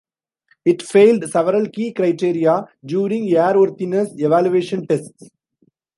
It failed several key criteria during airworthiness evaluation tests.